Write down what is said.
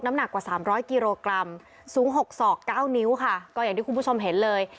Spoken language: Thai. น้ำหนักกว่า๓๐๐กิโลกรัมสูง๖สอก๙นิ้วค่ะก็อย่างที่คุณผู้ชมเห็นเลย